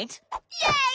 イエイ！